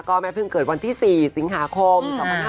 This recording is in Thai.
ก็แม่เพิ่งเกิดวันที่๔สิงหาคม๒๕๕๙